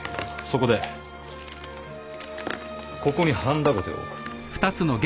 そこでここにハンダごてを置く。